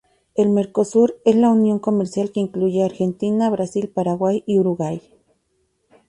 El Mercosur, es la unión comercial que incluye a Argentina, Brasil, Paraguay y Uruguay.